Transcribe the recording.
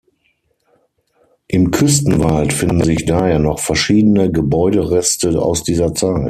Im Küstenwald finden sich daher noch verschiedene Gebäudereste aus dieser Zeit.